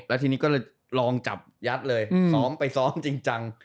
แล้วทีนี้ก็เลยลองจับยัดเลยซ้อมไปซ้อมจริงจัง